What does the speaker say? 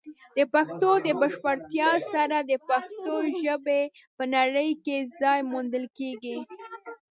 د پښتو د بشپړتیا سره، د پښتو ژبې په نړۍ کې ځای موندل کیږي.